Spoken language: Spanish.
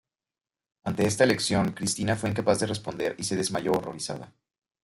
Ante esta elección Kristina fue incapaz de responder y se desmayó horrorizada.